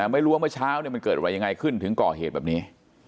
ไม่รู้ว่าเมื่อเช้ามันเกิดอะไรยังไงขึ้นถึงก่อเหตุแบบนี้